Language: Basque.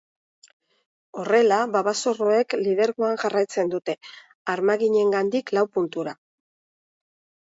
Horrela, babazorroek lidergoan jarraitzen dute, armaginengandik lau puntura.